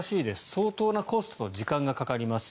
相当なコストと時間がかかります。